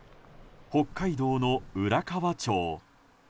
北海道の浦河町。